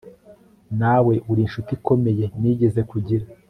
Nawe uri inshuti ikomeye nigeze kugira